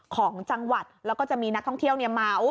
ของจังหวัดแล้วก็จะมีนักท่องเที่ยวเมา